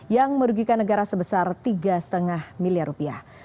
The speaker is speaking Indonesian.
yang merugikan negara sebesar tiga lima miliar rupiah